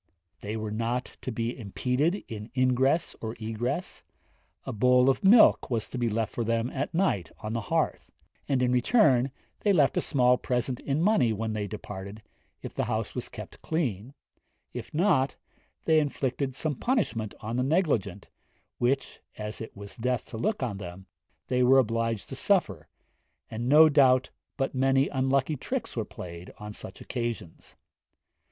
They were not to be impeded in ingress or egress; a bowl of milk was to be left for them at night on the hearth; and, in return, they left a small present in money when they departed, if the house was kept clean; if not, they inflicted some punishment on the negligent, which, as it was death to look on them, they were obliged to suffer, and no doubt but many unlucky tricks were played on such occasions.